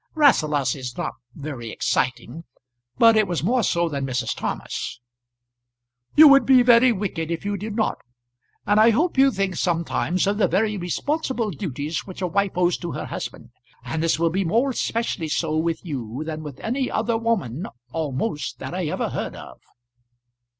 Rasselas is not very exciting, but it was more so than Mrs. Thomas. "You would be very wicked if you did not. And I hope you think sometimes of the very responsible duties which a wife owes to her husband. And this will be more especially so with you than with any other woman almost that I ever heard of."